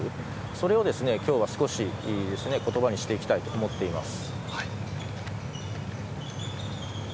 それを今日は少し言葉にしていきたいと思っています。